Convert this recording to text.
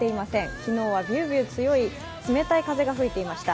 昨日はビュウビュウ強い冷たい風が吹いていました。